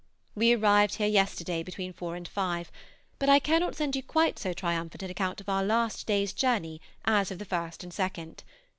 We arrived here yesterday between four and five, but I cannot send you quite so triumphant an account of our last day's journey as of the first and second.